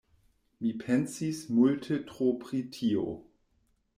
Mi pensis multe tro pri tio.